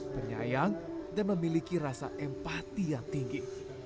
ternyayang dan memiliki rasa empati yang tinggi